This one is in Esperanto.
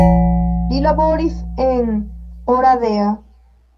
Li laboris en Oradea.